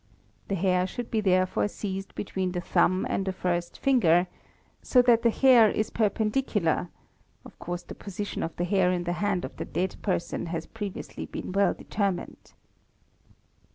The hair should be therefore seized between the thumb and the first finger (Plate I, Fig. 6) so that the hair is perpendicular (of course the position of the hair in the hand of the dead person has pre viously been well determined).